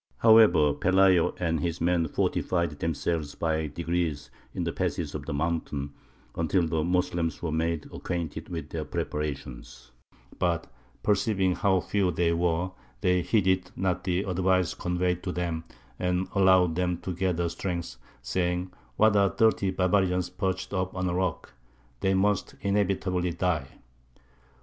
However, Pelayo and his men fortified themselves by degrees in the passes of the mountain, until the Moslems were made acquainted with their preparations; but, perceiving how few they were, they heeded not the advice conveyed to them, and allowed them to gather strength, saying, 'What are thirty barbarians, perched up on a rock? They must inevitably die!'"